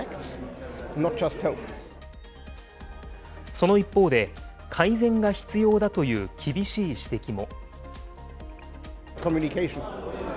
その一方で、改善が必要だという厳しい指摘も。